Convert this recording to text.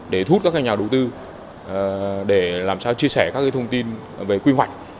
để thu hút các nhà đầu tư để làm sao chia sẻ các thông tin về quy hoạch